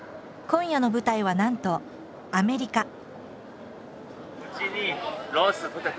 今夜の舞台はなんとアメリカ。